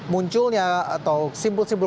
munculnya atau simbol simbol